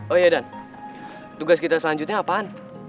oh ya dan tugas kita selanjutnya apaan